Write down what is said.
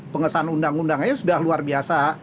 pengesahan undang undangnya sudah luar biasa